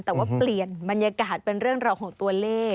แต่ว่าเปลี่ยนบรรยากาศเป็นเรื่องราวของตัวเลข